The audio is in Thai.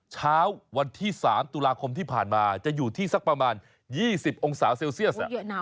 เช้าวันที่๓ตุลาคมที่ผ่านมาจะอยู่ที่สักประมาณ๒๐องศาเซลเซียส